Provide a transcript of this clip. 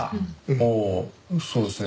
ああそうですね。